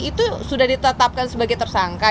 itu sudah ditetapkan sebagai tersangka